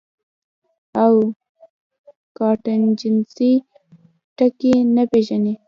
او کانټنجنسي ټکے نۀ پېژني -